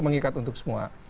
mengikat untuk semua